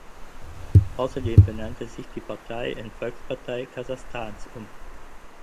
Außerdem benannte sich die Partei in Volkspartei Kasachstans um.